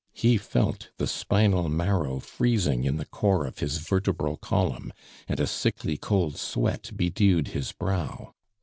He felt the spinal marrow freezing in the core of his vertebral column, and a sickly cold sweat bedewed his brow.